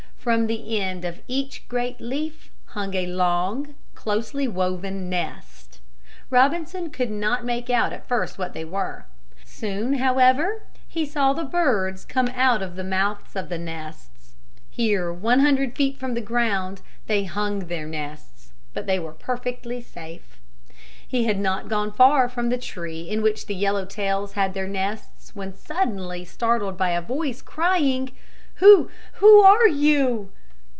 From the end of each great leaf hung a long, closely woven nest. Robinson could not make out at first what they were. Soon, however, he saw the birds come out of the mouths of the nests. Here, one hundred feet from the ground, they hung their nests. But they were perfectly safe. He had not gone far from the tree in which the yellow tails had their nests when he was suddenly startled by a voice crying, "Who, who are you?"